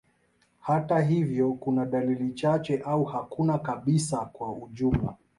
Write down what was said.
Hata hivyo, kuna dalili chache au hakuna kabisa kwa ujumla.